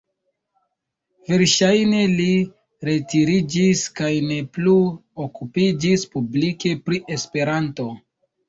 Verŝajne li retiriĝis kaj ne plu okupiĝis publike pri Esperanto.